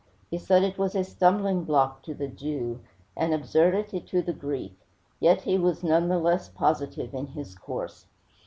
He said it was a stumbling block to the Jew, an absurdity to the Greek; yet he was none the less positive in his course.